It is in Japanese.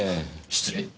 失礼。